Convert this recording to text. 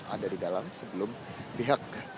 ada di dalam sebelum pihak